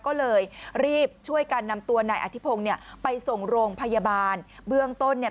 ก็เลยรีบช่วยกันนำตัวนายอธิพงศ์เนี่ยไปส่งโรงพยาบาลเบื้องต้นเนี่ย